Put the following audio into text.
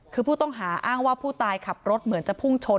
คือผู้ต้องหาอ้างว่าผู้ตายขับรถเหมือนจะพุ่งชน